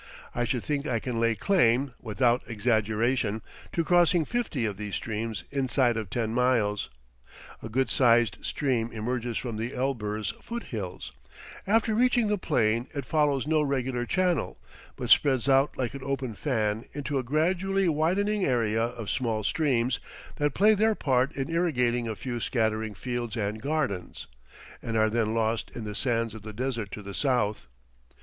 I should think I can lay claim, without exaggeration, to crossing fifty of these streams inside of ten miles. A good sized stream emerges from the Elburz foot hills; after reaching the plain it follows no regular channel, but spreads out like an open fan into a gradually widening area of small streams, that play their part in irrigating a few scattering fields and gardens, and are then lost in the sands of the desert to the south.